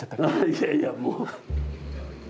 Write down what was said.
いやいやもう。